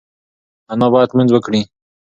انا باید لمونځ وکړي.